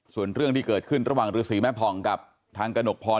ส่วนเรื่องที่เกิดขึ้นระหว่างฤษีแม่ผ่องกับทางกระหนกพร